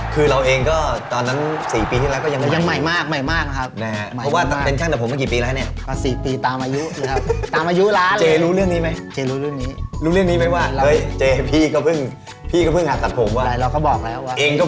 คือเราเองก็๔ปีที่แล้วก็ยังน้อยมากยังใหม่มากนะครับ